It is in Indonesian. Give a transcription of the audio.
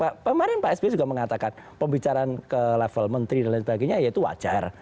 nah kemarin pak sby juga mengatakan pembicaraan ke level menteri dan lain sebagainya ya itu wajar